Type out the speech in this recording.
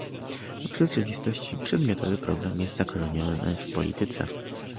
W rzeczywistości przedmiotowy program jest zakorzeniony w polityce